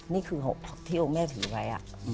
นี่คือ๖ที่องค์แม่ถือไว้